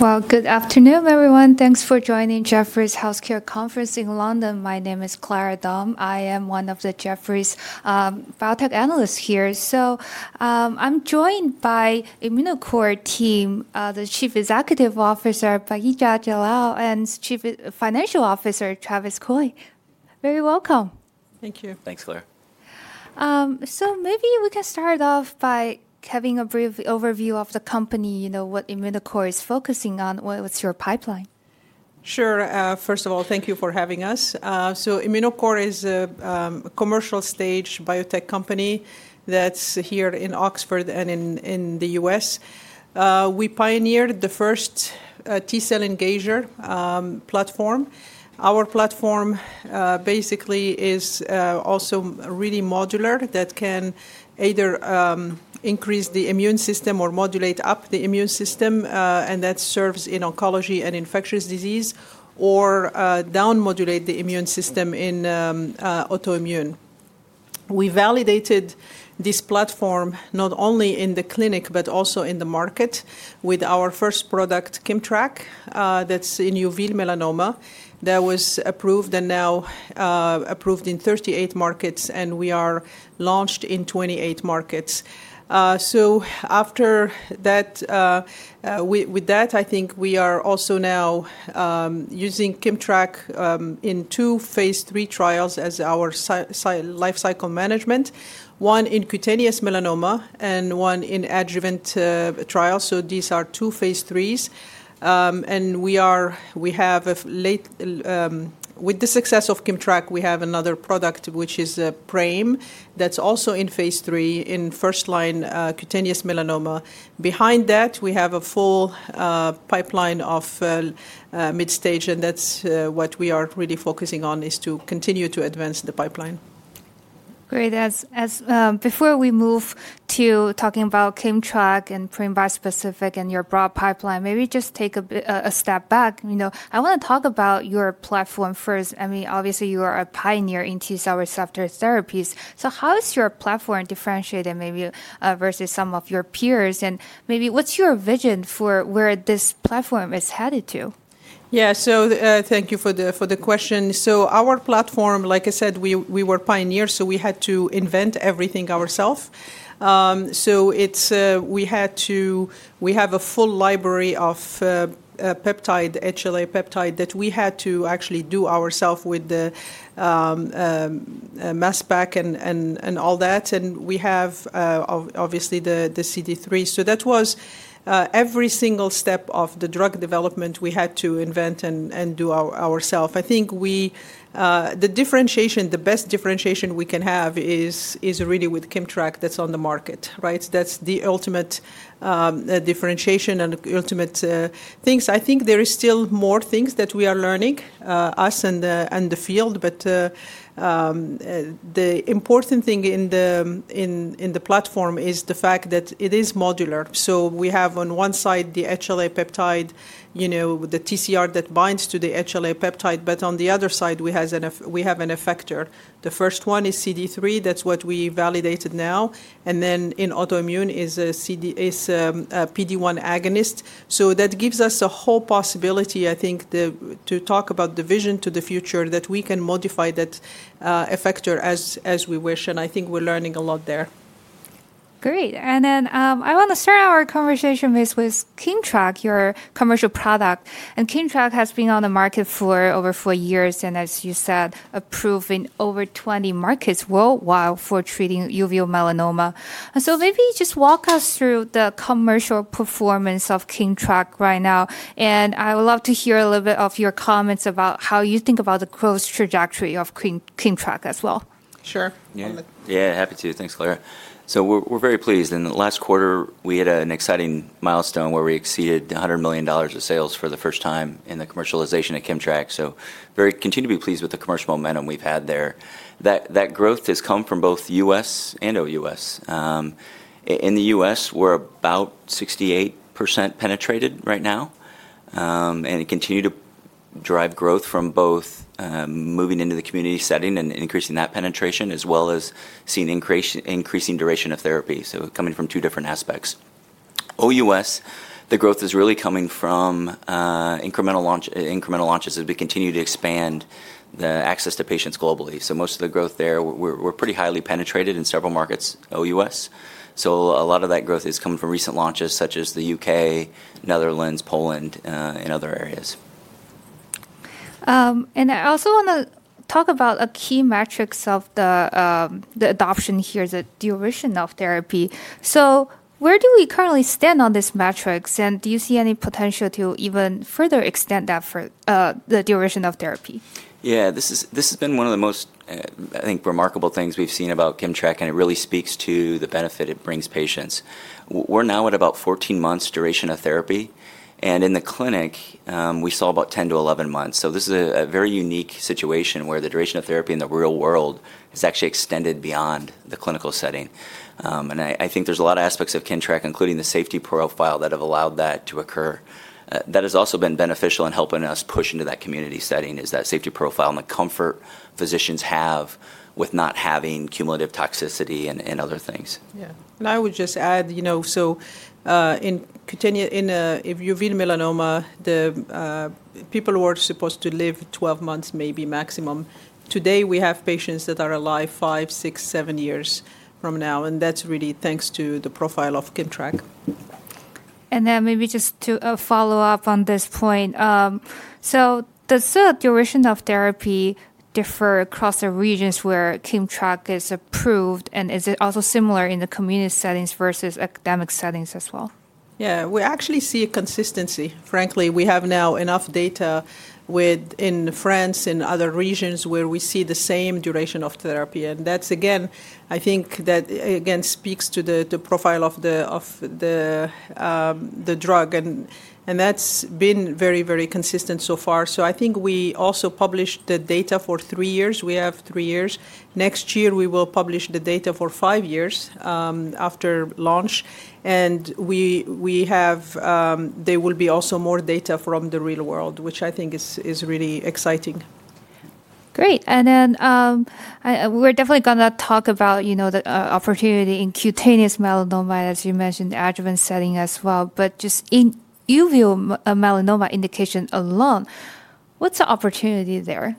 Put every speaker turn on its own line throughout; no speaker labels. Good afternoon, everyone. Thanks for joining Jefferies Healthcare Conference in London. My name is Clara Dong. I am one of the Jefferies biotech analysts here. I am joined by Immunocore team, the Chief Executive Officer Bahija Jallal and Chief Financial Officer Travis Coy. Very welcome.
Thank you.
Thanks, Clara.
Maybe we can start off by having a brief overview of the company, what Immunocore is focusing on, what's your pipeline?
Sure. First of all, thank you for having us. Immunocore is a commercial-stage biotech company that's here in Oxford and in the US. We pioneered the first T-cell engager platform. Our platform basically is also really modular that can either increase the immune system or modulate up the immune system, and that serves in oncology and infectious disease or down-modulate the immune system in autoimmune. We validated this platform not only in the clinic, but also in the market with our first product, KIMMTRAK, that's in uveal melanoma that was approved and now approved in 38 markets, and we are launched in 28 markets. After that, with that, I think we are also now using KIMMTRAK in two Phase 3 trials as our life cycle management, one in cutaneous melanoma and one in adjuvant trials. These are two Phase 3s. We have, with the success of KIMMTRAK, we have another product, which is PRAME, that's also in Phase 3 in first-line cutaneous melanoma. Behind that, we have a full pipeline of mid-stage, and that's what we are really focusing on is to continue to advance the pipeline.
Great. Before we move to talking about KIMMTRAK and PRAME bispecific and your broad pipeline, maybe just take a step back. I want to talk about your platform first. I mean, obviously, you are a pioneer in T-cell receptor therapies. How is your platform differentiated maybe versus some of your peers? Maybe what's your vision for where this platform is headed to?
Yeah, so thank you for the question. Our platform, like I said, we were pioneers, so we had to invent everything ourselves. We have a full library of HLA–peptide that we had to actually do ourselves with the mass spec and all that. We have obviously the CD3. That was every single step of the drug development we had to invent and do ourselves. I think the differentiation, the best differentiation we can have is really with KIMMTRAK that's on the market, right? That's the ultimate differentiation and ultimate things. I think there are still more things that we are learning, us and the field. The important thing in the platform is the fact that it is modular. We have on one side the HLA–peptide, the TCR that binds to the HLA–peptide, but on the other side, we have an effector. The first one is CD3. That's what we validated now. In autoimmune is a PD-1 agonist. That gives us a whole possibility, I think, to talk about the vision to the future that we can modify that effector as we wish. I think we're learning a lot there.
Great. I want to start our conversation with KIMMTRAK, your commercial product. KIMMTRAK has been on the market for over four years and, as you said, approved in over 20 markets worldwide for treating uveal melanoma. Maybe just walk us through the commercial performance of KIMMTRAK right now. I would love to hear a little bit of your comments about how you think about the growth trajectory of KIMMTRAK as well.
Sure.
Yeah, happy to. Thanks, Clara. So we're very pleased. In the last quarter, we had an exciting milestone where we exceeded $100 million of sales for the first time in the commercialization of KIMMTRAK. We continue to be pleased with the commercial momentum we've had there. That growth has come from both US and OUS. In the US, we're about 68% penetrated right now. We continue to drive growth from both moving into the community setting and increasing that penetration, as well as seeing increasing duration of therapy. Coming from two different aspects. OUS, the growth is really coming from incremental launches as we continue to expand the access to patients globally. Most of the growth there, we're pretty highly penetrated in several markets, OUS. A lot of that growth is coming from recent launches such as the UK, Netherlands, Poland, and other areas.
I also want to talk about a key metric of the adoption here, the duration of therapy. Where do we currently stand on this metric? Do you see any potential to even further extend the duration of therapy?
Yeah, this has been one of the most, I think, remarkable things we've seen about KIMMTRAK, and it really speaks to the benefit it brings patients. We're now at about 14 months duration of therapy. In the clinic, we saw about 10-11 months. This is a very unique situation where the duration of therapy in the real world has actually extended beyond the clinical setting. I think there's a lot of aspects of KIMMTRAK, including the safety profile, that have allowed that to occur. That has also been beneficial in helping us push into that community setting, that safety profile and the comfort physicians have with not having cumulative toxicity and other things.
Yeah. I would just add, in uveal melanoma, the people were supposed to live 12 months maybe maximum. Today, we have patients that are alive five, six, seven years from now. That's really thanks to the profile of KIMMTRAK.
Maybe just to follow up on this point. Does the duration of therapy differ across the regions where KIMMTRAK is approved? Is it also similar in the community settings versus academic settings as well?
Yeah, we actually see a consistency. Frankly, we have now enough data in France and other regions where we see the same duration of therapy. That, again, I think that again speaks to the profile of the drug. That has been very, very consistent so far. I think we also published the data for three years. We have three years. Next year, we will publish the data for five years after launch. There will be also more data from the real world, which I think is really exciting.
Great. We're definitely going to talk about the opportunity in cutaneous melanoma, as you mentioned, adjuvant setting as well. Just in uveal melanoma indication alone, what's the opportunity there?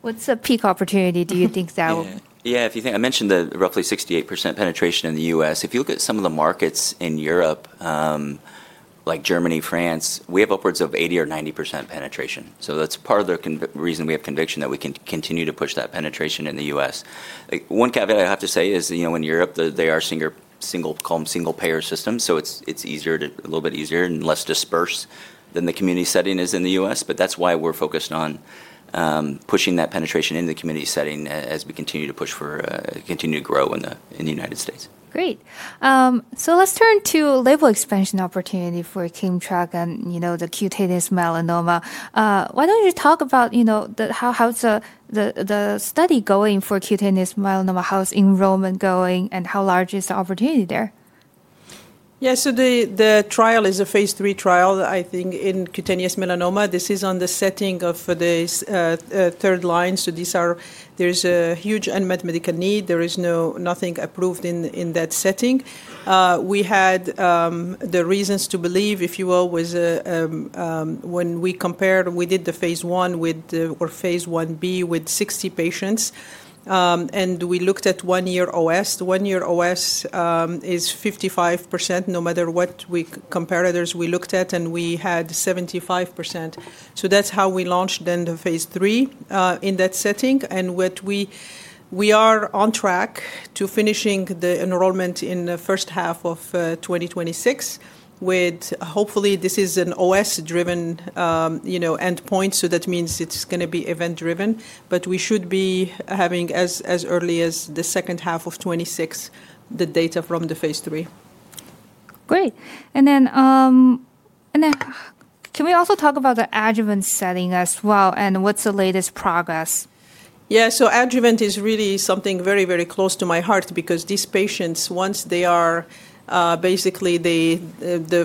What's the peak opportunity do you think that will?
Yeah, if you think I mentioned the roughly 68% penetration in the US. If you look at some of the markets in Europe, like Germany, France, we have upwards of 80% or 90% penetration. That is part of the reason we have conviction that we can continue to push that penetration in the US. One caveat I have to say is in Europe, they are single payer system. It is a little bit easier and less dispersed than the community setting is in the US. That is why we are focused on pushing that penetration in the community setting as we continue to push for continue to grow in the United States.
Great. Let's turn to label expansion opportunity for KIMMTRAK and the cutaneous melanoma. Why don't you talk about how's the study going for cutaneous melanoma? How's enrollment going? How large is the opportunity there?
Yeah, so the trial is a Phase 3 trial, I think, in cutaneous melanoma. This is on the setting of the third line. There is a huge unmet medical need. There is nothing approved in that setting. We had the reasons to believe, if you will, was when we compared, we did the Phase 1 with or Phase 1b with 60 patients. And we looked at one year OS. One year OS is 55%, no matter what comparators we looked at, and we had 75%. That is how we launched then the Phase 3 in that setting. We are on track to finishing the enrollment in the first half of 2026 with hopefully this is an OS-driven endpoint. That means it is going to be event driven. We should be having as early as the second half of 2026 the data from the Phase 3.
Great. Can we also talk about the adjuvant setting as well and what's the latest progress?
Yeah, so adjuvant is really something very, very close to my heart because these patients, once they are basically the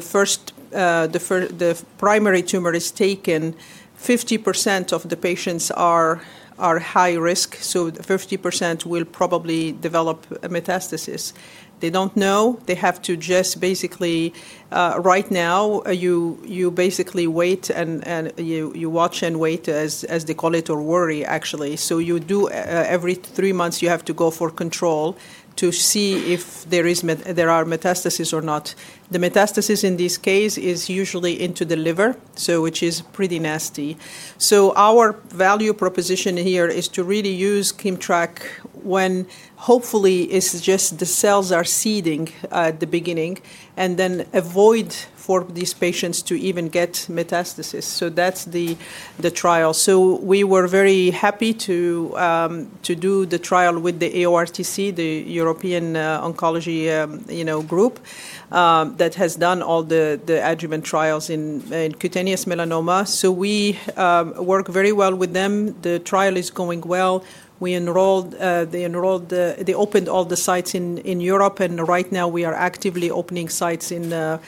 primary tumor is taken, 50% of the patients are high risk. So 50% will probably develop a metastasis. They don't know. They have to just basically right now, you basically wait and you watch and wait as they call it or worry actually. So you do every three months, you have to go for control to see if there are metastases or not. The metastasis in this case is usually into the liver, which is pretty nasty. So our value proposition here is to really use KIMMTRAK when hopefully it's just the cells are seeding at the beginning and then avoid for these patients to even get metastasis. So that's the trial. We were very happy to do the trial with the EORTC, the European Organisation for Research and Treatment of Cancer that has done all the adjuvant trials in cutaneous melanoma. We work very well with them. The trial is going well. They enrolled, they opened all the sites in Europe. Right now, we are actively opening sites in the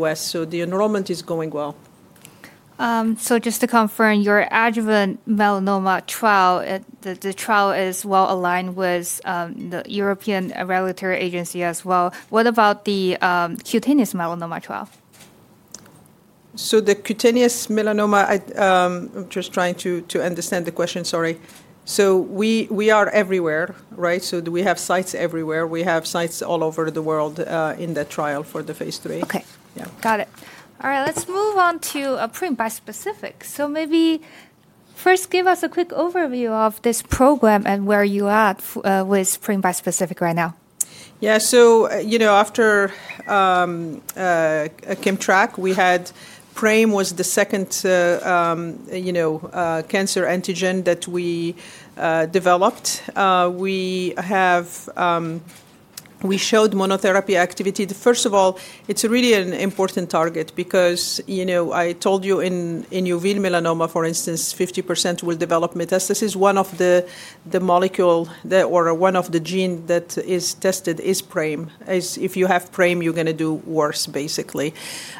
US. The enrollment is going well.
Just to confirm, your adjuvant melanoma trial, the trial is well aligned with the European Regulatory Agency as well. What about the cutaneous melanoma trial?
The cutaneous melanoma, I'm just trying to understand the question, sorry. We are everywhere, right? We have sites everywhere. We have sites all over the world in the trial for the Phase 3.
Okay. Got it. All right, let's move on to PRAME BiSpecific. Maybe first give us a quick overview of this program and where you are with PRAME BiSpecific right now.
Yeah, so after KIMMTRAK, we had PRAME was the second cancer antigen that we developed. We showed monotherapy activity. First of all, it's really an important target because I told you in uveal melanoma, for instance, 50% will develop metastasis. One of the molecule or one of the gene that is tested is PRAME. If you have PRAME, you're going to do worse, basically.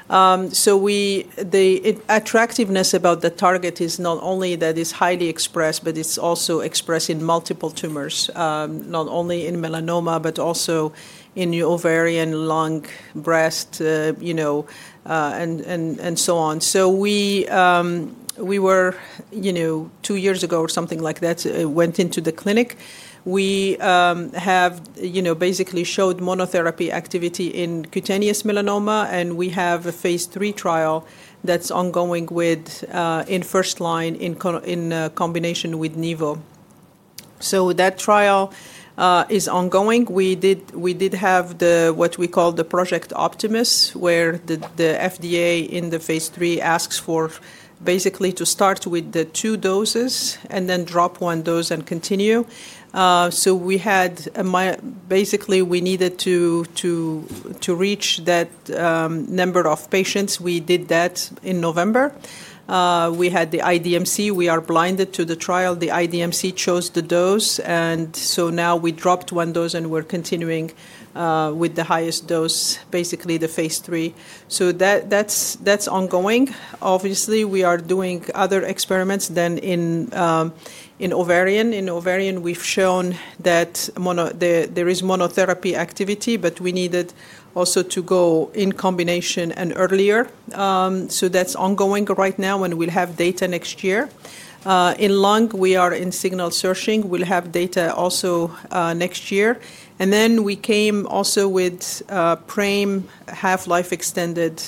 The attractiveness about the target is not only that it's highly expressed, but it's also expressed in multiple tumors, not only in melanoma, but also in ovarian, lung, breast, and so on. We were two years ago or something like that went into the clinic. We have basically showed monotherapy activity in cutaneous melanoma. We have a Phase 3 trial that's ongoing in first line in combination with Nivolumab. That trial is ongoing. We did have what we call the Project Optimus, where the FDA in the Phase 3 asks for basically to start with the two doses and then drop one dose and continue. Basically, we needed to reach that number of patients. We did that in November. We had the IDMC. We are blinded to the trial. The IDMC chose the dose. Now we dropped one dose and we're continuing with the highest dose, basically the Phase 3. That's ongoing. Obviously, we are doing other experiments than in ovarian. In ovarian, we've shown that there is monotherapy activity, but we needed also to go in combination and earlier. That's ongoing right now and we'll have data next year. In lung, we are in signal searching. We'll have data also next year. We came also with PRAME half-life extended,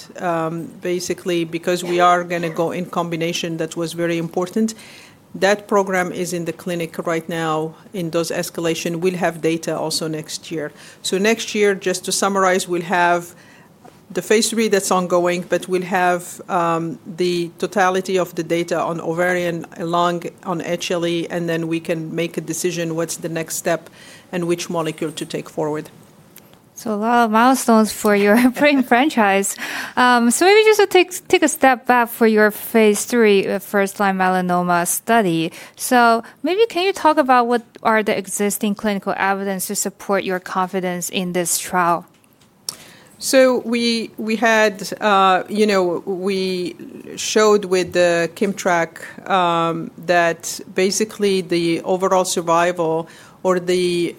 basically because we are going to go in combination. That was very important. That program is in the clinic right now in dose escalation. We'll have data also next year. Next year, just to summarize, we'll have the Phase 3 that's ongoing, but we'll have the totality of the data on ovarian, lung, on HLE, and then we can make a decision what's the next step and which molecule to take forward.
A lot of milestones for your PRAME franchise. Maybe just to take a step back for your Phase 3 first-line melanoma study. Maybe can you talk about what are the existing clinical evidence to support your confidence in this trial?
We showed with the KIMMTRAK that basically the overall response rate, or the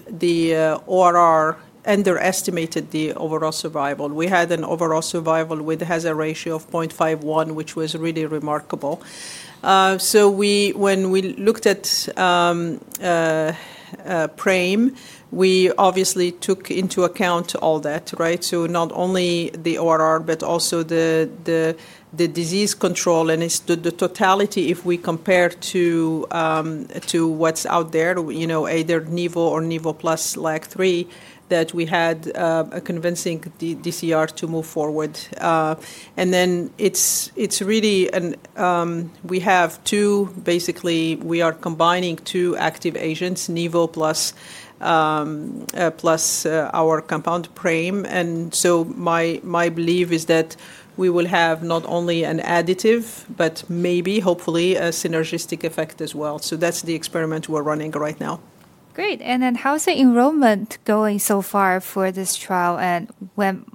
ORR, underestimated the overall survival. We had an overall survival with hazard ratio of 0.51, which was really remarkable. When we looked at PRAME, we obviously took into account all that, right? Not only the ORR, but also the disease control and the totality if we compare to what's out there, either Nivolumab or Nivolumab plus LAG-3, that we had a convincing disease control rate to move forward. It is really we have two, basically we are combining two active agents, Nivolumab plus our compound PRAME. My belief is that we will have not only an additive, but maybe, hopefully, a synergistic effect as well. That is the experiment we are running right now.
Great. How's the enrollment going so far for this trial? When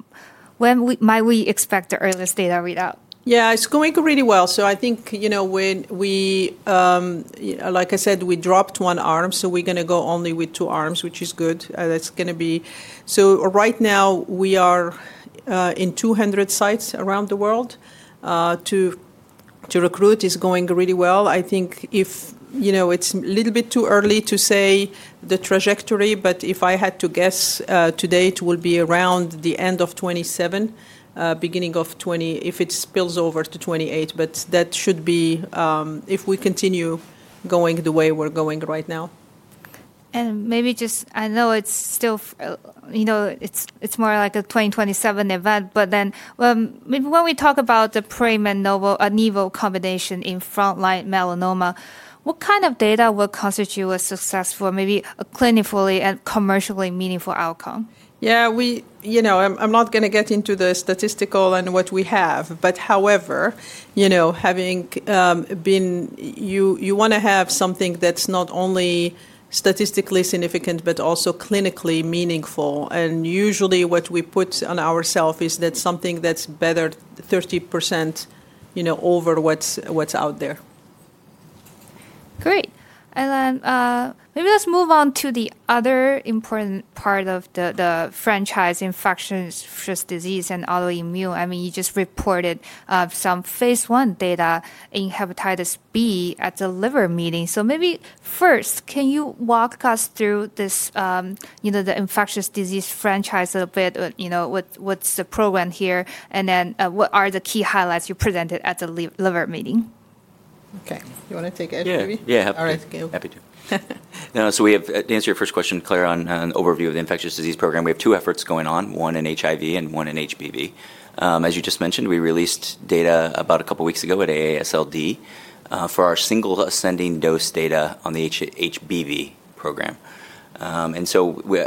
might we expect the earliest data readout?
Yeah, it's going really well. I think when we, like I said, we dropped one arm. We're going to go only with two arms, which is good. That's going to be, right now, we are in 200 sites around the world. To recruit is going really well. I think it's a little bit too early to say the trajectory, but if I had to guess today, it will be around the end of 2027, beginning of 2028 if it spills over to 2028. That should be if we continue going the way we're going right now.
Maybe just I know it's still it's more like a 2027 event, but then maybe when we talk about the PRAME and Nivo combination in front-line melanoma, what kind of data will constitute a success for maybe a clinically and commercially meaningful outcome?
Yeah, I'm not going to get into the statistical and what we have. However, having been, you want to have something that's not only statistically significant, but also clinically meaningful. Usually what we put on ourself is that something that's better 30% over what's out there.
Great. Maybe let's move on to the other important part of the franchise, infectious disease and autoimmune. I mean, you just reported some Phase 1 data in hepatitis B at the liver meeting. Maybe first, can you walk us through the infectious disease franchise a little bit? What's the program here? What are the key highlights you presented at the liver meeting?
Okay. You want to take it?
Yeah, yeah.
All right.
Happy to. To answer your first question, Clara, on an overview of the infectious disease program, we have two efforts going on, one in HIV and one in HBV. As you just mentioned, we released data about a couple of weeks ago at AASLD for our single ascending dose data on the HBV program.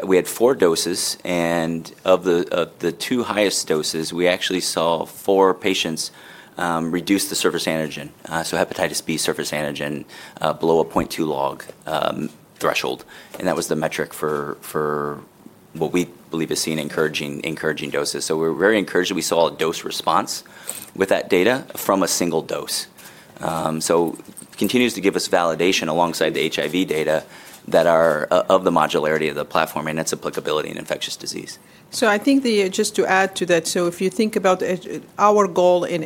We had four doses. Of the two highest doses, we actually saw four patients reduce the surface antigen, so hepatitis B surface antigen, below a 0.2 log threshold. That was the metric for what we believe is seeing encouraging doses. We are very encouraged. We saw a dose response with that data from a single dose. It continues to give us validation alongside the HIV data that are of the modularity of the platform and its applicability in infectious disease.
I think just to add to that, if you think about our goal in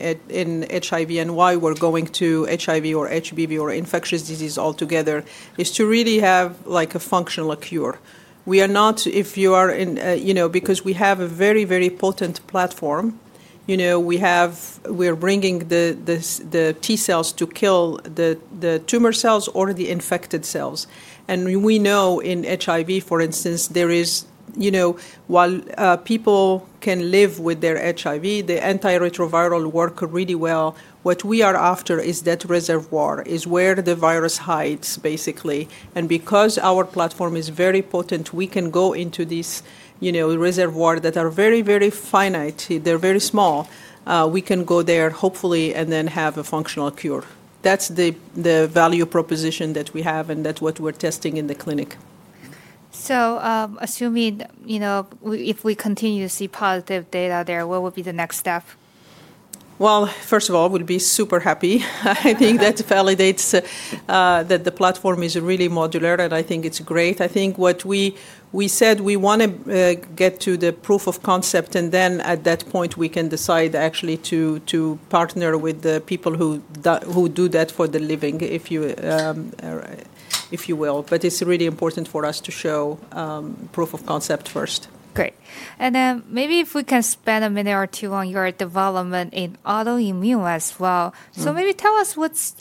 HIV and why we're going to HIV or HBV or infectious disease altogether, it is to really have a functional cure. If you are in because we have a very, very potent platform. We are bringing the T cells to kill the tumor cells or the infected cells. We know in HIV, for instance, while people can live with their HIV, the antiretroviral work really well. What we are after is that reservoir, where the virus hides, basically. Because our platform is very potent, we can go into these reservoirs that are very, very finite. They're very small. We can go there hopefully and then have a functional cure. That's the value proposition that we have. That's what we're testing in the clinic.
Assuming if we continue to see positive data there, what would be the next step?
First of all, we'd be super happy. I think that validates that the platform is really modular. I think it's great. I think what we said, we want to get to the proof of concept. At that point, we can decide actually to partner with the people who do that for the living, if you will. It's really important for us to show proof of concept first.
Great. Maybe if we can spend a minute or two on your development in autoimmune as well. Maybe tell us what's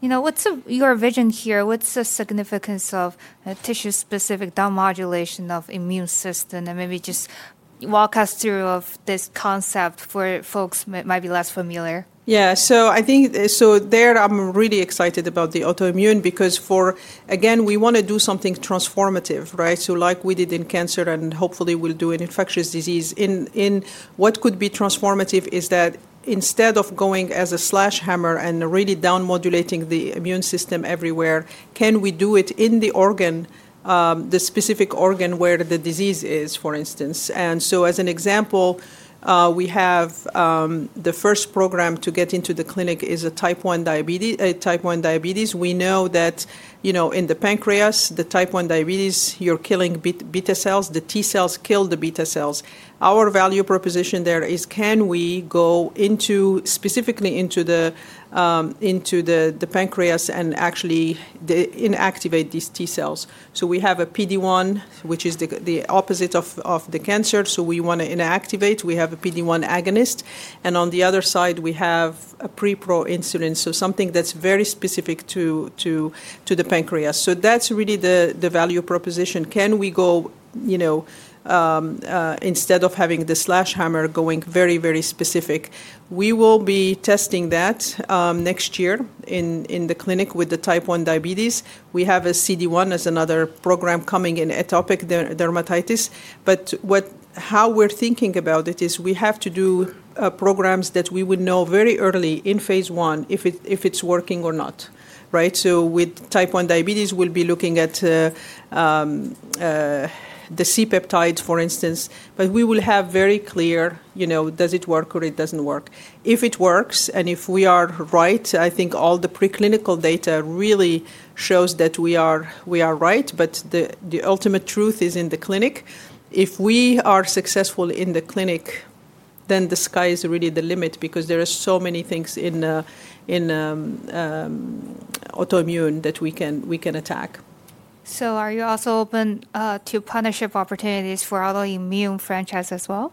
your vision here. What's the significance of tissue-specific down modulation of immune system? Maybe just walk us through this concept for folks who might be less familiar.
Yeah, so I think so there, I'm really excited about the autoimmune because for again, we want to do something transformative, right? Like we did in cancer and hopefully we'll do in infectious disease. What could be transformative is that instead of going as a slash hammer and really down modulating the immune system everywhere, can we do it in the organ, the specific organ where the disease is, for instance? As an example, we have the first program to get into the clinic is a type 1 diabetes. We know that in the pancreas, the type 1 diabetes, you're killing beta cells. The T cells kill the beta cells. Our value proposition there is can we go specifically into the pancreas and actually inactivate these T cells? We have a PD-1, which is the opposite of the cancer. We want to inactivate. We have a PD-1 agonist. On the other side, we have a preproinsulin, so something that's very specific to the pancreas. That's really the value proposition. Can we go instead of having the sledgehammer, going very, very specific? We will be testing that next year in the clinic with the type 1 diabetes. We have a CD3 as another program coming in atopic dermatitis. How we're thinking about it is we have to do programs that we would know very early in Phase 1 if it's working or not, right? With type 1 diabetes, we'll be looking at the C-peptides, for instance. We will have very clear does it work or it doesn't work. If it works and if we are right, I think all the preclinical data really shows that we are right. The ultimate truth is in the clinic. If we are successful in the clinic, then the sky is really the limit because there are so many things in autoimmune that we can attack.
Are you also open to partnership opportunities for autoimmune franchise as well?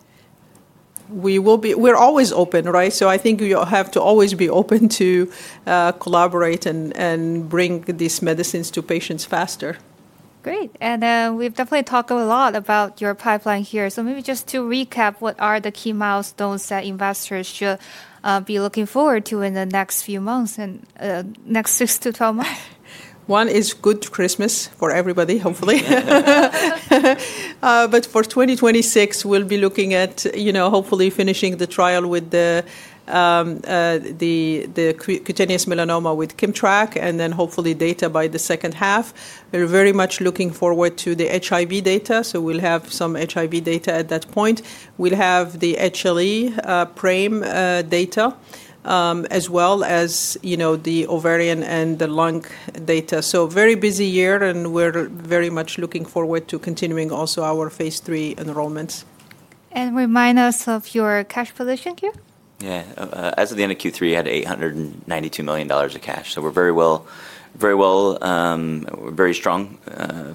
We will be. We're always open, right? I think you have to always be open to collaborate and bring these medicines to patients faster.
Great. We have definitely talked a lot about your pipeline here. Maybe just to recap, what are the key milestones that investors should be looking forward to in the next few months and next 6-12 months?
One is good Christmas for everybody, hopefully. For 2026, we'll be looking at hopefully finishing the trial with the cutaneous melanoma with KIMMTRAK and then hopefully data by the second half. We're very much looking forward to the HIV data. We'll have some HIV data at that point. We'll have the HLE PRAME data as well as the ovarian and the lung data. Very busy year. We're very much looking forward to continuing also our Phase 3 enrollments.
Remind us of your cash position here.
Yeah. As of the end of Q3, we had $892 million of cash. We are in a very strong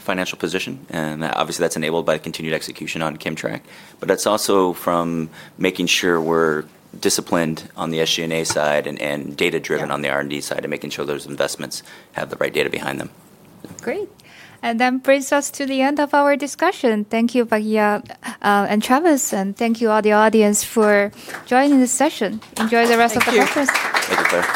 financial position. Obviously, that's enabled by continued execution on KIMMTRAK. That's also from making sure we're disciplined on the SG&A side and data-driven on the R&D side and making sure those investments have the right data behind them.
Great. That brings us to the end of our discussion. Thank you, Bahija and Travis. Thank you, all the audience, for joining the session. Enjoy the rest of the conference.
Thank you.